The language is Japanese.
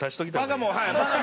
「バカ」もはい。